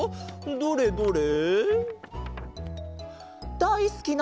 どれどれ？